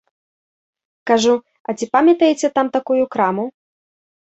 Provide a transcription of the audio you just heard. Кажу, а ці памятаеце там такую краму?